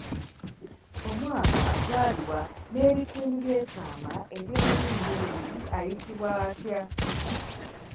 Omwana azaalibwa n'ebitundu by'ekyama eby'emirundi ebiri ayitibwa atya?